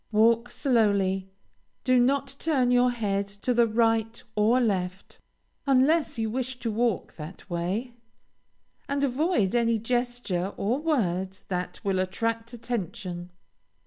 Walk slowly, do not turn your head to the right or left, unless you wish to walk that way, and avoid any gesture or word that will attract attention.